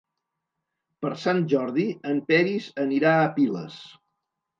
Per Sant Jordi en Peris anirà a Piles.